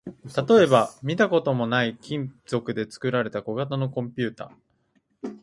例えば、見たこともない金属で作られた小型のコンピュータ